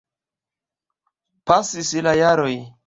Pasis la jaroj.